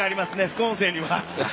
副音声には。